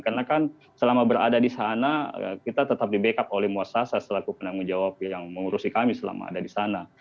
karena kan selama berada di sana kita tetap di backup oleh muassasa selaku penanggung jawab yang mengurusi kami selama ada di sana